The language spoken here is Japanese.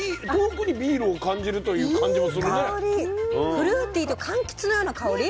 フルーティーとかんきつのような香り？